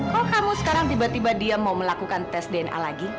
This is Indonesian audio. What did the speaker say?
kalau kamu sekarang tiba tiba dia mau melakukan tes dna lagi